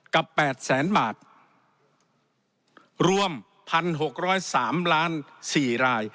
กับแปดแสนบาทรวมพันหกร้อยสามล้านสี่ราย